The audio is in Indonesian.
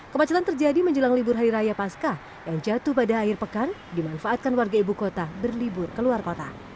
kemacetan terjadi menjelang libur hari raya pasca yang jatuh pada akhir pekan dimanfaatkan warga ibu kota berlibur ke luar kota